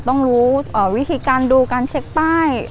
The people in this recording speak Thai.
ต้องรู้วิธีการดูการเช็คป้าย